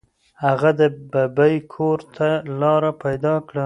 هغه د ببۍ کور ته لاره پیدا کړه.